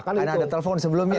karena ada telepon sebelumnya